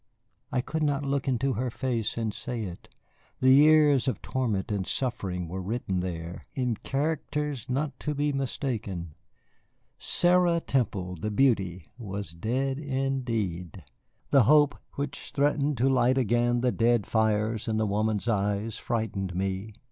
I could not look into her face and say it. The years of torment and suffering were written there in characters not to be mistaken. Sarah Temple, the beauty, was dead indeed. The hope which threatened to light again the dead fires in the woman's eyes frightened me.